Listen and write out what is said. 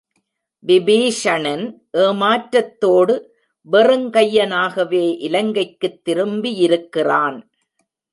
விபீஷணன் ஏமாற்றத்தோடு, வெறுங்கையனாகவே இலங்கைக்குத் திரும்பியிருக்கிறான்.